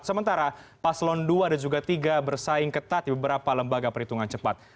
sementara paslon dua dan juga tiga bersaing ketat di beberapa lembaga perhitungan cepat